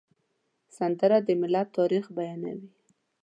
سندره د ملت تاریخ بیانوي